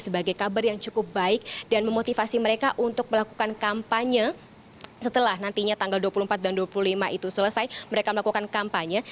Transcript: sebagai kabar yang cukup baik dan memotivasi mereka untuk melakukan kampanye setelah nantinya tanggal dua puluh empat dan dua puluh lima itu selesai mereka melakukan kampanye